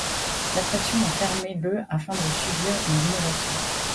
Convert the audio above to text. L'attraction a fermé le afin de subir une rénovation.